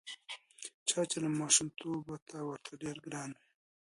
چا چې له ماشومتوبه ته ورته ډېر ګران وې.